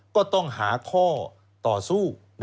ก็ต้องหาข้อต่อสู้